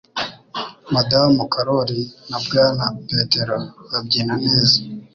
Madamu karori na Bwana petero babyina neza